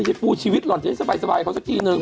เย็ดปูชีวิตหล่อจะให้สบายเขาสักทีหนึ่ง